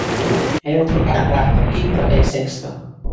E outro para cuarto, quinto e sexto.